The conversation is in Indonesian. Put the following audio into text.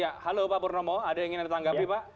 ya halo pak pur nomo ada yang ingin ditanggapi pak